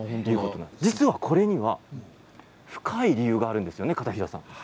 実は、これには深い理由があるんですよね。